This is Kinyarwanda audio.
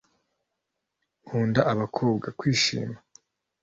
Nkunda abakobwa kwishima.